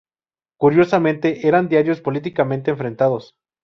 Curiosamente, eran diarios políticamente enfrentados.